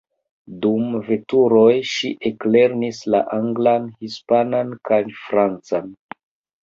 Dum veturoj, ŝi eklernis la anglan, hispanan kaj francan.